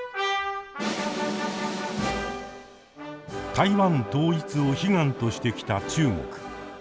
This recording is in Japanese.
台湾統一を悲願としてきた中国。